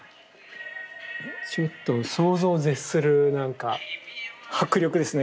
ちょっと想像を絶するなんか迫力ですね